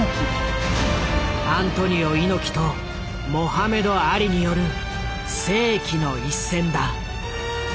アントニオ猪木とモハメド・アリによる「世紀の一戦」だ。